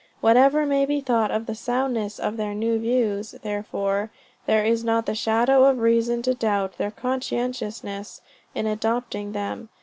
Whatever may be thought of the soundness of their new views, therefore, there is not the shadow of a reason to doubt their conscientiousness in adopting them.